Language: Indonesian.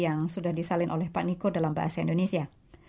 yang sudah disalin oleh pak niko dalam bahasa indonesia